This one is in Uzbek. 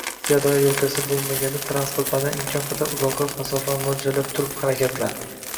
Piyodalar yo‘lkasi bo‘lmaganda transportlardan imkon qadar uzoqroq masofani mo‘ljallab turib harakatlan.